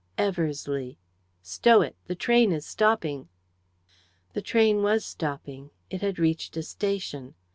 "Eversleigh. Stow it the train is stopping!" The train was stopping. It had reached a station.